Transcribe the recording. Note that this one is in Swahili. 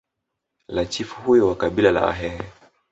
la chifu huyo wa kabila la wahehe